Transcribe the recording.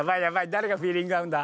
誰がフィーリング合うんだ？